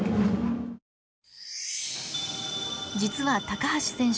実は橋選手。